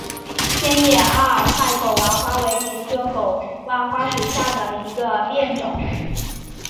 千叶阿尔泰狗娃花为菊科狗哇花属下的一个变种。